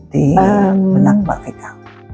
di benak mbak vika